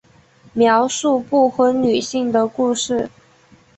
描述不婚女性的故事。